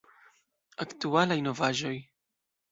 Aktualaj novaĵoj!